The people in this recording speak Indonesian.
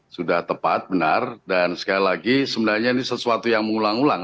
sudah tepat benar dan sekali lagi sebenarnya ini sesuatu yang mengulang ulang